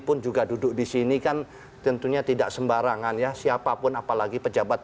pun juga duduk di sini kan tentunya tidak sembarangan ya siapapun apalagi pejabat